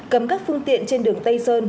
cầm các phương tiện trên đường tây sơn